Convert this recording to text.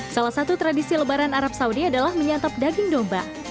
salah satu tradisi lebaran arab saudi adalah menyantap daging domba